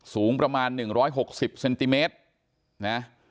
สูงประมาณ๑๖๐เซนติเมตรนะ